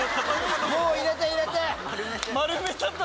もう入れて入れて！